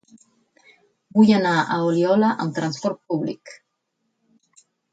Vull anar a Oliola amb trasport públic.